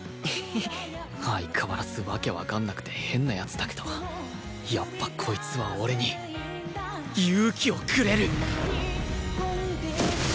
相変わらず訳わかんなくて変な奴だけどやっぱこいつは俺に勇気をくれる